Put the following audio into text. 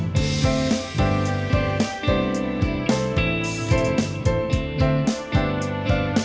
nih kamu kalo gak bisa cium beneran